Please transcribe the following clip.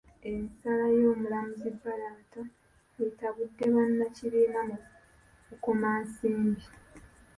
Ensala y'omulamuzi Barata etabudde bannakibiina mu Bukomansimbi